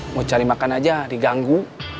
mau cari makan aja diganggu